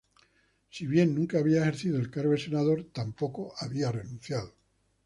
Si bien nunca había ejercido el cargo de senador, tampoco había renunciado.